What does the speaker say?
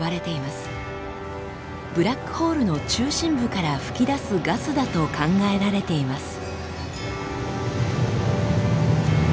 ブラックホールの中心部から噴き出すガスだと考えられています。